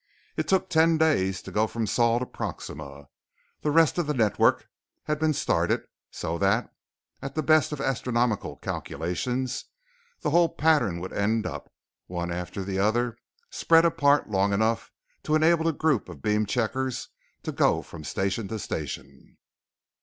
It took ten days to go from Sol to Proxima, the rest of the network had been started so that at the best of astronomical calculations the whole pattern would end up, one after the other, spread apart long enough to enable the group of beam checkers to go from station to station.